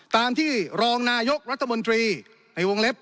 ตามที่รองนายกรัฐมนตรีในวงเล็บ